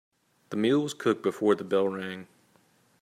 The meal was cooked before the bell rang.